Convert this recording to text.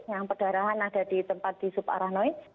yang perdarahan ada di tempat di suparanoid